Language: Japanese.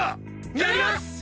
やります！